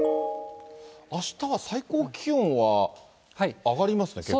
あしたは最高気温は上がりますね、結構。